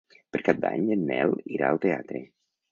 Per Cap d'Any en Nel irà al teatre.